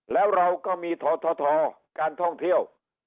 แล้วเราก็มีททการท่องเที่ยว